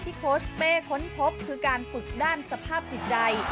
โค้ชเป้ค้นพบคือการฝึกด้านสภาพจิตใจ